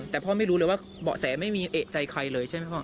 แต่พ่อไม่รู้เลยว่าเบาะแสไม่มีเอกใจใครเลยใช่ไหมพ่อ